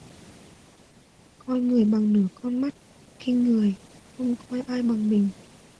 Coi người bằng nửa con mắt: khinh người, không coi ai bằng mình